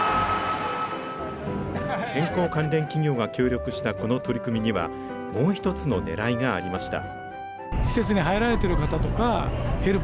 健康関連企業が協力したこの取り組みには、もう一つのねらいがありました。